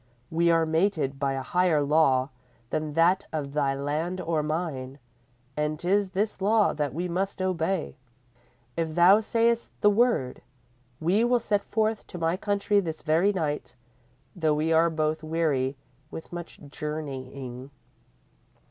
We are mated by a higher law than that of thy land or mine, and 'tis this law that we must obey. If thou sayest the word, we will set forth to my country this very night, though we are both weary with much journeying."